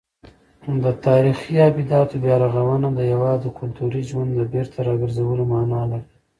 د تاریخي ابداتو بیارغونه د هېواد د کلتوري ژوند د بېرته راګرځولو مانا لري.